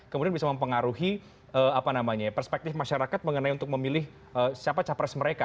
kemudian bisa mempengaruhi perspektif masyarakat mengenai untuk memilih siapa capres mereka